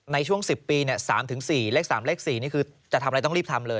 ในช่วง๑๐ปี๓๔เลข๓เลข๔นี่คือจะทำอะไรต้องรีบทำเลย